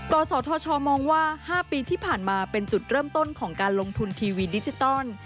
กศธชมองว่า๕ปีที่ผ่านมาเป็นจุดเริ่มต้นของการลงทุนทีวีดิจิตอล